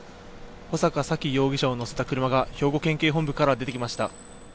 穂坂沙喜容疑者を乗せた車が兵庫県警本部から出てきました。